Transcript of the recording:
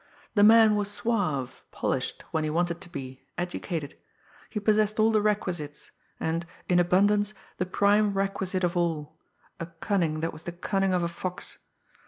The man was suave, polished when he wanted to be, educated; he possessed all the requisites, and, in abundance, the prime requisite of all a cunning that was the cunning of a fox.